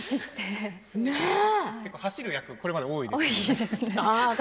結構、走る役これまで多いですね。